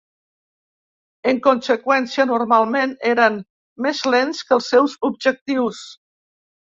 En conseqüència, normalment eren més lents que els seus objectius.